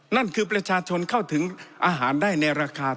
นั่นคือประชาชนเข้าถึงอาหารได้ในราคา